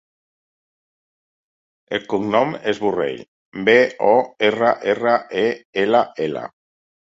El cognom és Borrell: be, o, erra, erra, e, ela, ela.